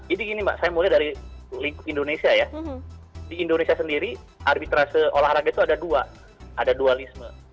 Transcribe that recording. jadi gini mbak saya mulai dari lingkup indonesia ya di indonesia sendiri arbitrase olahraga itu ada dua ada dualisme